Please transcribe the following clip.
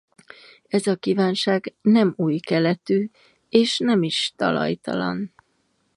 Ez a kívánság nem újkeletű és nem is talajtalan.